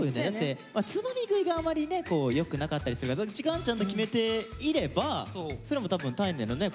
つまみ食いがあまりねよくなかったりするから時間ちゃんと決めていればそれも多分体内のね